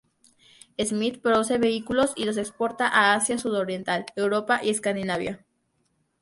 Smith produce vehículos y los exporta a Asia Sudoriental, Europa y Escandinavia.